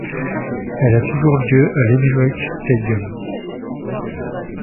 Elle a toujours lieu à l'Emirates Stadium.